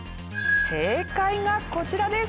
正解がこちらです。